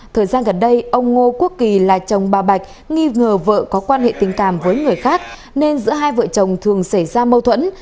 thời gian gần đây ông ngô quốc kỳ là chồng bà bạch nghi ngờ vợ có quan hệ tình cảm với người khác nên giữa hai vợ chồng thường xảy ra mâu thuẫn